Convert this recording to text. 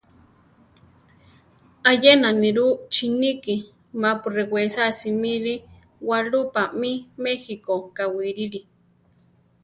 Ayena nirú chiníki mapu rewésa simili walúpa mí méjiko kawírili.